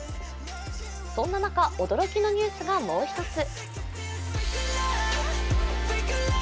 そんな中、驚きのニュースがもう一つ。